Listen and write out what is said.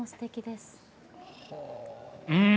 うん！